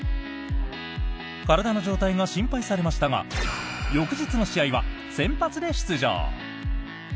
体の状態が心配されましたが翌日の試合は先発で出場。